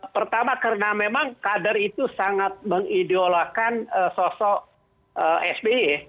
pertama karena memang kader itu sangat mengideolakan sosok sp